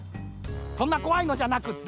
そんなこわいのじゃなくって。